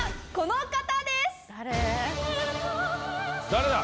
誰だ？